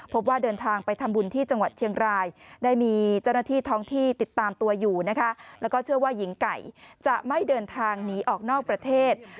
พบว่าเดินทางไปทำบุญที่จังหวัดเชียงรายได้มีเจ้าหน้าที่ท้องที่ติดตามตัวอยู่นะคะแล้วก็เชื่อว่าหญิงไก่จะไม่เดินทางหนีออกนอกประเทศ